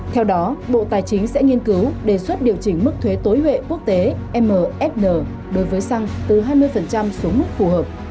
theo đó bộ tài chính sẽ nghiên cứu đề xuất điều chỉnh mức thuế tối huệ quốc tế mfn đối với xăng từ hai mươi xuống mức phù hợp